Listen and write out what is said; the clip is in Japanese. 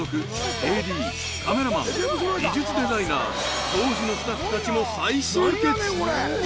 ＡＤカメラマン美術デザイナー当時のスタッフたちも再集結